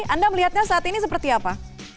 anda melihatnya saat ini seperti apa